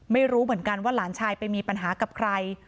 ไม่รู้เหมือนกันว่าหลานชายไปมีปัญหากับใคร